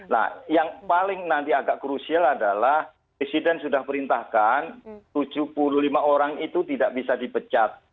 nah yang paling nanti agak krusial adalah presiden sudah perintahkan tujuh puluh lima orang itu tidak bisa dipecat